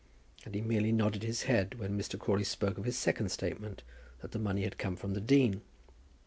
And he merely nodded his head when Mr. Crawley spoke of his second statement, that the money had come from the dean.